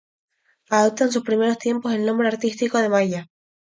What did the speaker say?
Adopta en sus primeros tiempos el nombre artístico de Maya.